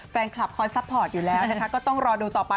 แฟนคลับคอยซัพพอร์ตอยู่แล้วนะคะ